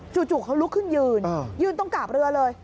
จู่เขาลุกขึ้นยืนยืนตรงกาบเรือเลย